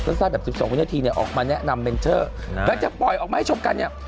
ทาเต้นท่าแบบ๑๒วินาทีเนี่ยออกมาแนะนำเมนเทอร์และจะปล่อยออกนะให้ชมกันเนี่ย